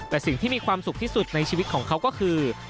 แต่สิ่งที่มีความสุขที่สุดในชีวิตของเขาก็คือ